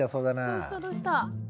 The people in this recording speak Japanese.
どうしたどうした？